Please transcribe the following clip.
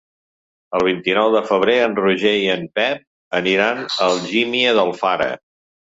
El vint-i-nou de febrer en Roger i en Pep aniran a Algímia d'Alfara.